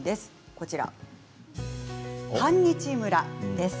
こちら、「半日村」です。